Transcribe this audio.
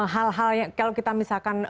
hal hal yang kalau kita misalkan